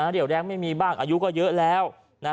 เดี๋ยวแดงไม่มีบ้างอายุก็เยอะแล้ว